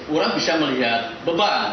orang bisa melihat beban